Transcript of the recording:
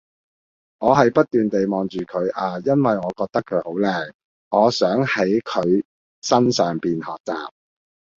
我係不斷地望住佢啊因為我覺得佢好靚，我想喺佢身上面學習